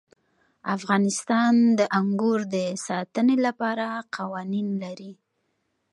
افغانستان د انګور د ساتنې لپاره قوانین لري.